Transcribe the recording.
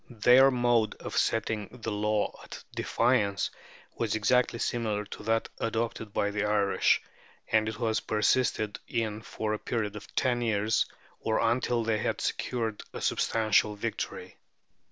Their mode of setting the law at defiance was exactly similar to that adopted by the Irish, and it was persisted in for a period of ten years, or until they had secured a substantial victory.